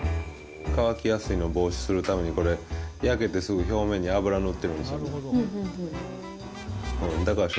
乾きやすいのを防止するためにこれ、焼けてすぐ表面に油塗ってるんですよ。